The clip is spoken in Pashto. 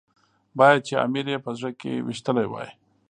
باید چې امیر یې په زړه کې ويشتلی وای.